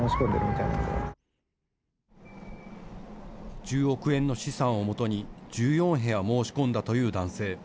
１０億円の資産を元に１４部屋申し込んだという男性。